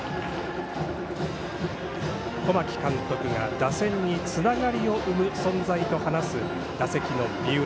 小牧監督が打線につながりを生む存在と話す、打席の三浦。